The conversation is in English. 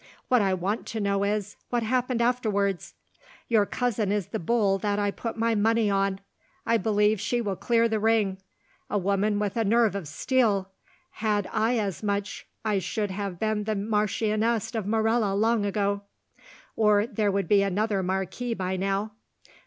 What I want to know is, what happened afterwards? Your cousin is the bull that I put my money on: I believe she will clear the ring. A woman with a nerve of steel; had I as much I should have been the Marchioness of Morella long ago, or there would be another marquis by now.